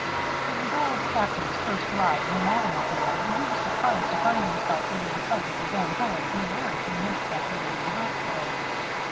It was Old Captain's first ride in an automobile, and he was surprised to find himself within sight of his own home in a very few minutes after leaving the hospital.